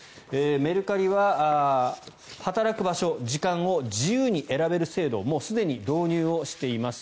メルカリは働く場所や時間を自由に選べる制度をもうすでに導入しています。